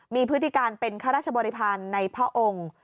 มีพฤติการเป็นข้าราชบริพันธ์ในพระองค์